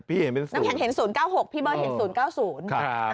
พี่เห็นเป็นศูนย์น้องแข็งเห็นศูนย์เก้าหกพี่เบิร์นเห็นศูนย์เก้าศูนย์ครับ